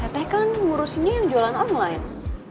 teh kan ngurusinnya yang jualan online